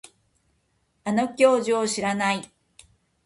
あの教授を知らない